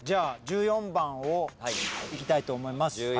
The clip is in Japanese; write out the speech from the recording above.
１４番をいきたいと思います。